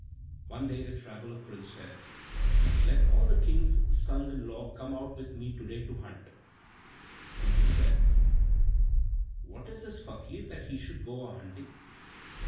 One day the traveller Prince said, "Let all the King's sons in law come out with me to day to hunt." People said, "What is this Fakir that he should go a hunting?"